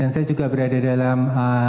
dan saya juga berada dalam